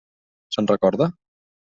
Se'n recorda?